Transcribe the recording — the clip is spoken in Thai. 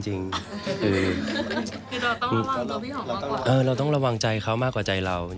คือเราต้องระวังใจเขามากกว่าใจเรา